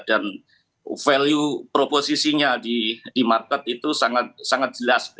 dan value proposisinya di market itu sangat jelas